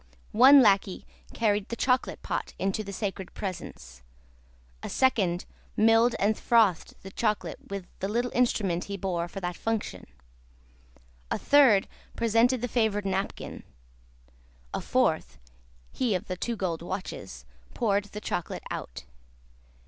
One lacquey carried the chocolate pot into the sacred presence; a second, milled and frothed the chocolate with the little instrument he bore for that function; a third, presented the favoured napkin; a fourth (he of the two gold watches), poured the chocolate out.